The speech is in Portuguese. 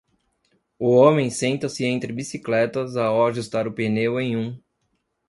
O homem senta-se entre bicicletas ao ajustar o pneu em um.